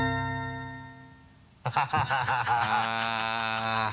ハハハ